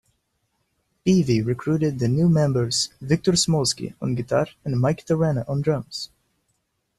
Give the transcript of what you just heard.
Peavy recruited the new members Victor Smolski on guitar and Mike Terrana on drums.